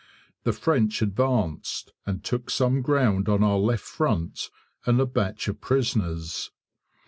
The French advanced, and took some ground on our left front and a batch of prisoners.